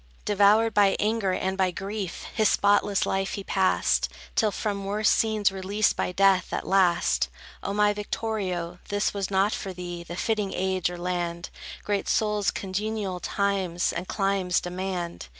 Devoured by anger and by grief, His spotless life he passed, Till from worse scenes released by death, at last. O my Victorio, this was not for thee The fitting age, or land. Great souls congenial times and climes demand.